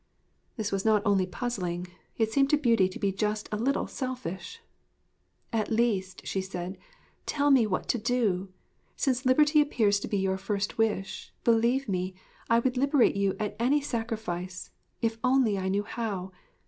'This was not only puzzling; it seemed to Beauty to be just a little selfish. 'At least,' she said, 'tell me what to do! Since liberty appears to be your first wish, believe me, I would liberate you at any sacrifice, if only I knew how.'